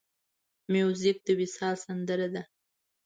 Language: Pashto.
موزیک د وصال سندره ده.